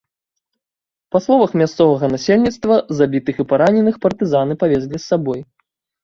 Па словах мясцовага насельніцтва забітых і параненых партызаны павезлі з сабой.